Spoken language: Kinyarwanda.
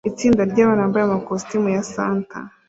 Itsinda ryabantu bambaye amakositimu ya Santa